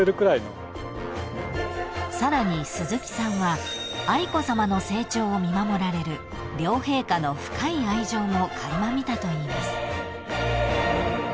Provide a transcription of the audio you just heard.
［さらに鈴木さんは愛子さまの成長を見守られる両陛下の深い愛情も垣間見たといいます］